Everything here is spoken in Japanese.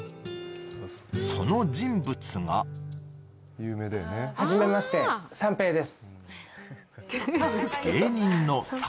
その人物がはじめまして三瓶です。